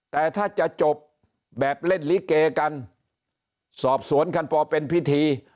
แต่ถ้าจะจบแบบเล่นลิเกกันสอบสวนกันพอเป็นพิธี